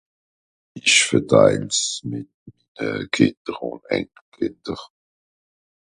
ich veteil s mit de Kìnder ùn Enkelkìnder